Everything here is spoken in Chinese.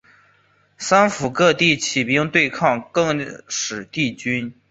三辅各地起兵对抗更始帝军。